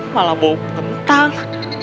malah bau kentang